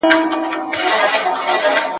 منظور پښتین د پښتنو د دې زرکلن !.